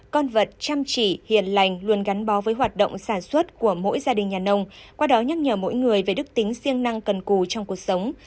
con vật chăm chỉ hiền lành luôn gắn bó với hoạt động sản xuất của mỗi gia đình nhà nông qua đó nhắc nhở mỗi người về đức tính riêng năng cần cù trong cuộc sống